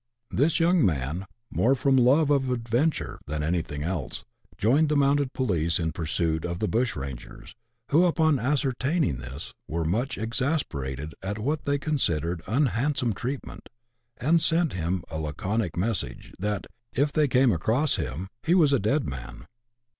This young man, more from love of adventure than anything else, joined the mounted police in pursuit of the bushrangers, who, upon ascertaining this, were much exasperated at what they con sidered unhandsome treatment, and sent him a laconic message, that, " if they came across him, he was a dead man."